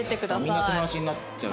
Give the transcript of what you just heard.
みんな友達になっちゃう。